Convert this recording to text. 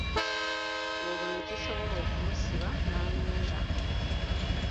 Olwo ne kisobola okumusiba n’anywera .